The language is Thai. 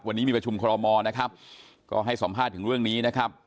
วันนี้มีประชุมคอรมอนะครับก็ให้สัมภาษณ์ถึงเรื่องนี้นะครับ